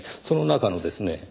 その中のですね